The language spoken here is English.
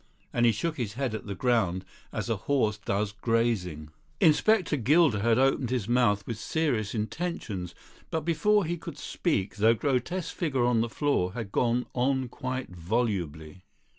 And he shook his head at the ground as a horse does grazing. Inspector Gilder had opened his mouth with serious intentions, but before he could speak the grotesque figure on the floor had gone on quite volubly.